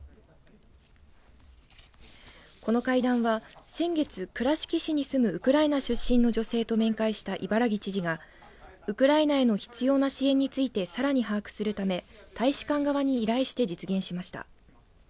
この会談は先月、倉敷市に住むウクライナ出身の女性と面会した伊原木知事がウクライナへの必要な支援についてさらに把握するため大使館側に依頼して実現しました。